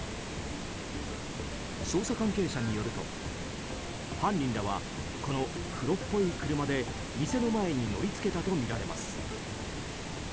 捜査関係者によると犯人らは、この黒っぽい車で店の前に乗り付けたとみられます。